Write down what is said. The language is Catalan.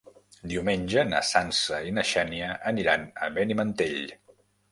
Diumenge na Sança i na Xènia aniran a Benimantell.